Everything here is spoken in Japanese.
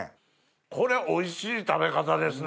これおいしい食べ方ですね。